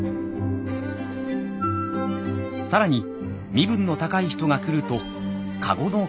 更に身分の高い人が来ると駕籠の担ぎ手も。